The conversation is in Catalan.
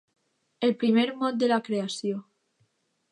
El primer mot de la creació.